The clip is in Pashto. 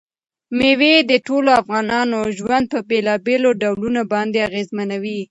مېوې د ټولو افغانانو ژوند په بېلابېلو ډولونو باندې اغېزمنوي.